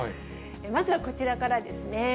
まずは、こちらからですね。